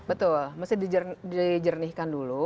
betul mesti dijernihkan dulu